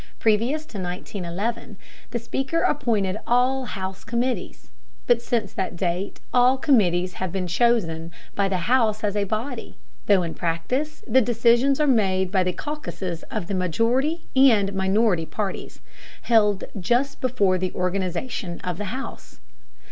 Previous to 1911 the Speaker appointed all House committees, but since that date all committees have been chosen by the House as a body, though in practice the decisions are made by the caucuses of the majority and minority parties, held just before the organization of the House.